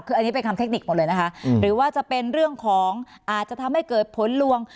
คืออันนี้เป็นคำเทคนิคหมดเลยนะคะหรือว่าจะเป็นเรื่องของอาจจะทำให้เกิดผลลวง